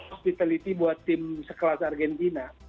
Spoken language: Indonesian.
hospitality buat tim sekelas argentina